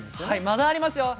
まだありますよ